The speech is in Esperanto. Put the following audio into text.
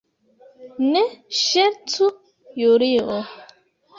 Ne ŝercu, Julio.